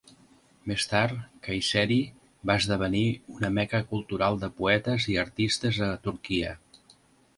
Més tard, Kayseri va esdevenir una meca cultural de poetes i artistes a Turquia.